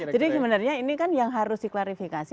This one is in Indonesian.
jadi sebenarnya ini kan yang harus diklarifikasi